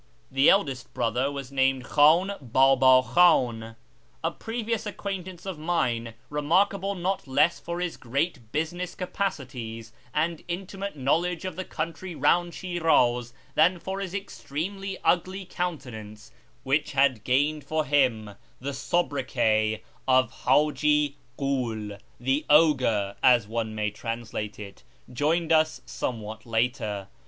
The eldest brother was named Kh;in r>;ib;i Kh;iu. A previous acquaintance of mine, re markable not less for his great business capacities and intimate knowledge of the country round Shi'raz than for his extremely ugly countenance, which had gained for him the sobriquet of " Haji Ghul" (" the ogre," as one may translate it), joined us somewhat later.